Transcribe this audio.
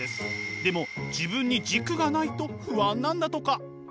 でも自分に軸がないと不安なんだとか。